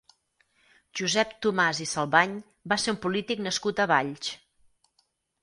Josep Tomàs i Salvany va ser un polític nascut a Valls.